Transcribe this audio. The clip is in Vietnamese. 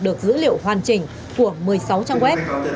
được dữ liệu hoàn chỉnh của một mươi sáu trang web